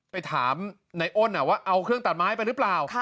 ไปถามในอ้นว่าเอาเครื่องตัดไม้ไปหรือเปล่า